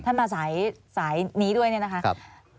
มาสายนี้ด้วยเนี่ยนะคะ